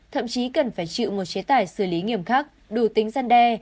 thậm chí cần phải chịu một chế tài xử lý nghiêm khắc đủ tính gian đe